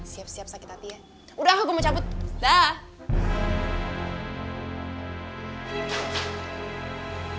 siap siap sakit hati ya udah aku mau cabut daaah